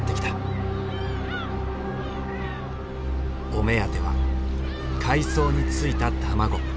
お目当ては海藻についた卵。